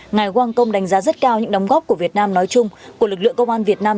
ngài wang kong đánh giá rất cao những đóng góp của việt nam nói chung của lực lượng công an việt nam